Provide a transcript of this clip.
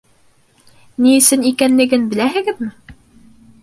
Ни өсөн икәнлеген беләһегеҙме?